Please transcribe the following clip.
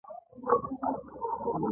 دا ټولې غیر اکتسابي ځانګړتیاوې ګڼل کیږي.